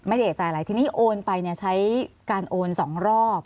ไม่ได้เอกใจอะไรทีนี้โอนไปใช้การโอนสองรอบ